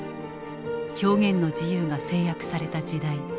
表現の自由が制約された時代。